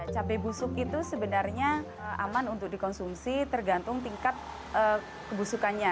cabai busuk itu sebenarnya aman untuk dikonsumsi tergantung tingkat kebusukannya